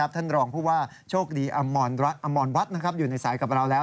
ท่านรองผู้ว่าโชคดีอมรวัฒน์อยู่ในสายกับเราแล้ว